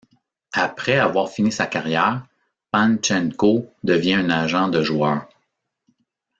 Après avoir fini sa carrière, Pantchenko devient un agent de joueurs.